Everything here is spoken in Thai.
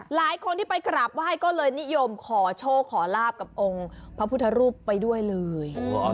หลายคนที่ไปกราบไหว้ก็เลยนิยมขอโชคขอลาบกับองค์พระพุทธรูปไปด้วยเลย